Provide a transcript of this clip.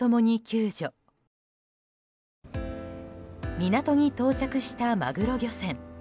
港に到着したマグロ漁船。